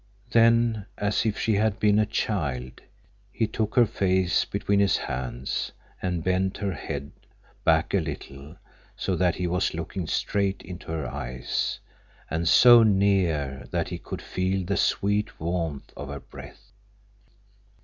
Then, as if she had been a child, he took her face between his hands and bent her head back a little, so that he was looking straight into her eyes, and so near that he could feel the sweet warmth of her breath.